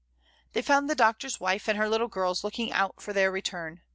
IN A GIG. 41 They found the Doctor's wife and her little girls looking out for their return.